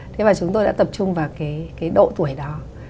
thế và chúng tôi đã tập trung vào cái độ tuổi đó